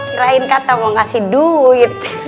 kirain kata mau ngasih duit